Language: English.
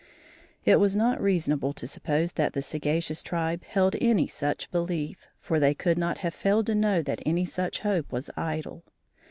It was not reasonable to suppose that the sagacious tribe held any such belief, for they could not have failed to know that any such hope was idle.